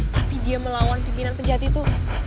tapi dia melawan pimpinan penjati itu